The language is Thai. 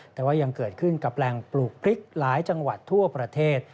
แต่ว่ายังเกิดขึ้นกับแหล่งปลูกพริกหลายจังหวัดทั่วประเทศ